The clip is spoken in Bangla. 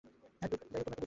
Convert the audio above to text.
যাইহোক, তোমরা তো বিড়াল।